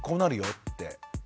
って。